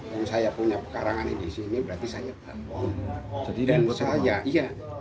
dan saya punya pekarangan di sini berarti saya dapat